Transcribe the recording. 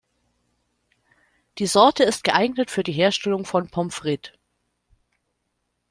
Die Sorte ist geeignet für die Herstellung von Pommes frites.